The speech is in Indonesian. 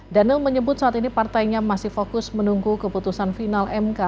daniel menyebut saat ini partainya masih fokus menunggu keputusan final mk